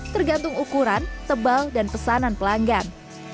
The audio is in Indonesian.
tergantung ukuran tebal dan pesanan pelanggan